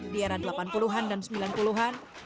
di era delapan puluh an dan sembilan puluh an